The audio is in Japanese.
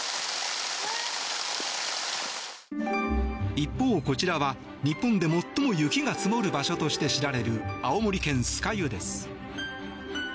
一方、こちらは、日本で最も雪が積もる場所として知られる青森県酸ケ湯です。